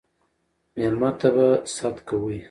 ميلمه ته به ست کوئ